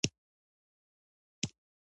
د رزق وېش د الله کار دی، حرص بېفایده دی.